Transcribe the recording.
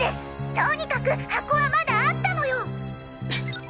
とにかく箱はまだあったのよ！